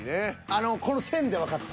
あのこの線でわかった。